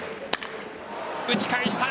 打ち返した。